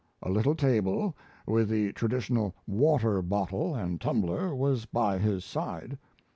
A little table, with the traditional water bottle and tumbler, was by his side.